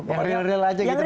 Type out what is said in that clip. oh real real aja gitu